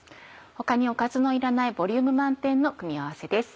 他におかずのいらないボリューム満点の組み合わせです。